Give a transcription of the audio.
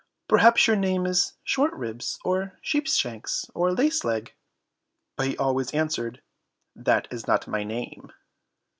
"Perhaps your name is Shortribs, or Sheepshanks, or Laceleg?" but he always answered, "That is not my name."